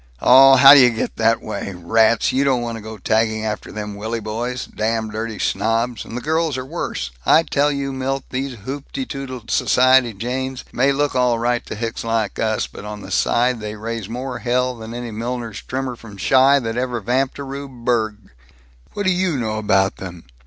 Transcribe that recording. "Aw, how d'you get that way? Rats, you don't want to go tagging after them Willy boys. Damn dirty snobs. And the girls are worse. I tell you, Milt, these hoop te doodle society Janes may look all right to hicks like us, but on the side they raise more hell than any milliner's trimmer from Chi that ever vamped a rube burg." "What do you know about them?"